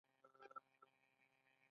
هغه انګېرله چې خسرو به تخت ونیسي.